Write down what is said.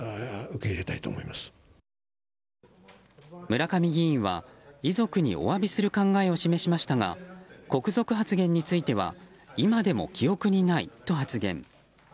村上議員は遺族にお詫びする考えを示しましたが国賊発言については今でも記憶にないと発言。